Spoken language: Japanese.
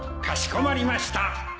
かしこまりました